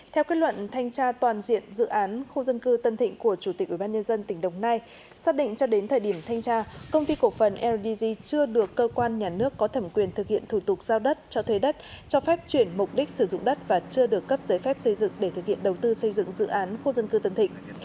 theo kết luận thanh tra toàn diện dự án khu dân cư tân thịnh của chủ tịch ubnd tỉnh đồng nai xác định cho đến thời điểm thanh tra công ty cổ phần ldg chưa được cơ quan nhà nước có thẩm quyền thực hiện thủ tục giao đất cho thuê đất cho phép chuyển mục đích sử dụng đất và chưa được cấp giấy phép xây dựng để thực hiện đầu tư xây dựng dự án khu dân cư tân thịnh